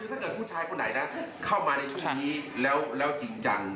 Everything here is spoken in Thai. ถ้าเกิดผู้ชายคนไหนนะเข้ามาในช่วงนี้แล้วจริงจัง